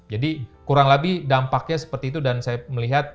jadi kurang lebih dampaknya seperti itu dan saya melihat